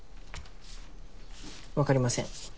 分かりません